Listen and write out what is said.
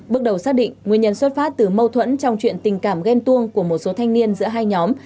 bước đầu xác định nguyên nhân xuất phát từ mâu thuẫn trong chuyện tình cảm ghen tuông của một số thanh niên giữa hai nhóm